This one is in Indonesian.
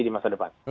di masa depan